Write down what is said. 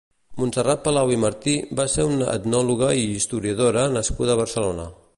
Montserrat Palau i Martí va ser una etnòloga i historiadora nascuda a Barcelona.